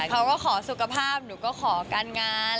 เขาก็ขอสุขภาพหนูก็ขอการงาน